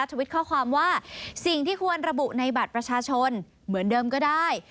ทวิตข้อความว่าสิ่งที่ควรระบุในบัตรประชาชนเหมือนเดิมก็ได้